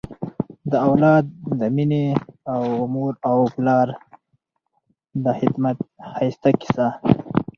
د اولاد د مینې او مور و پلار د خدمت ښایسته کیسه